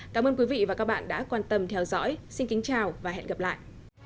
cảm ơn quý vị và các bạn đã quan tâm theo dõi xin kính chào và hẹn gặp lại